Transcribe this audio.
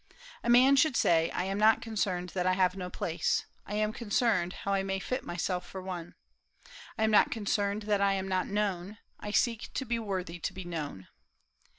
A man should say, 'I am not concerned that I have no place, I am concerned how I may fit myself for one. I am not concerned that I am not known; I seek to be worthy to be known.'"